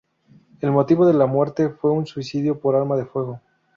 El motivo de la muerte fue un suicidio por arma de fuego.